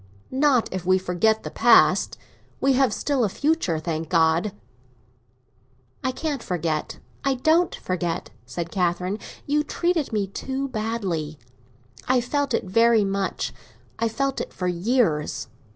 "Not if we forget the past. We have still a future, thank God!" "I can't forget—I don't forget," said Catherine. "You treated me too badly. I felt it very much; I felt it for years."